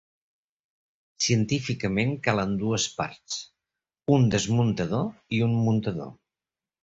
Científicament calen dues parts: un desmuntador i un muntador.